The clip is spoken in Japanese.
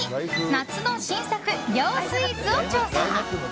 夏の新作涼スイーツを調査！